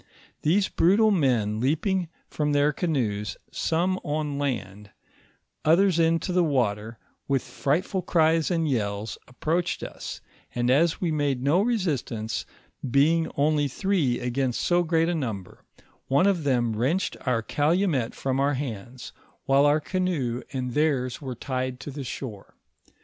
These brutal men leaping from their canoes, some on land, others into the water with fright ful cries and yells, approached us, and as we made no re sistance, being only three against so great a number, one of them wrenched our calumet from our hands, while our canoe iiii 1 '!! r DUOOTEBini IN THR ICnSIBSIFPI VALLKT. lift and theirs were tied to the shore.